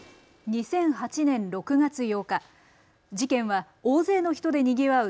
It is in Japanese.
２００８年６月８日、事件は大勢の人でにぎわう